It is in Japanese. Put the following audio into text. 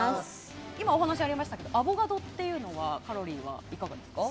今、お話ありましたがアボカドというのはカロリーはいかがですか？